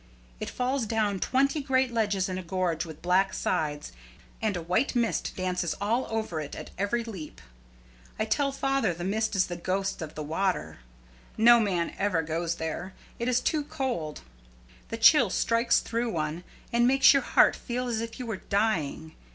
It falls down twenty great ledges in a gorge with black sides, and a white mist dances all over it at every leap. I tell father the mist is the ghost of the waters. No man ever goes there; it is too cold. The chill strikes through one, and makes your heart feel as if you were dying.